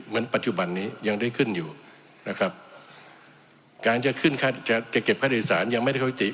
เหมือนปัจจุบันนี้ยังได้ขึ้นอยู่นะครับการจะขึ้นค่าจะจะเก็บค่าโดยสารยังไม่ได้เข้ายุติ